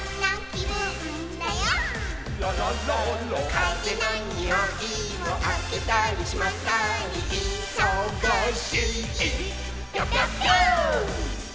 「かぜのにおいをあけたりしまったりいそがしい」「ピョンピョンピョーン！」